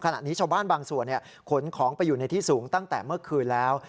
ขณะนี้ชาวบ้านบางส่วนขนของไปอยู่ในที่สูงตั้งแต่เมื่อคืนแล้ว